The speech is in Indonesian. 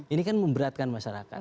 ini kan memberatkan masyarakat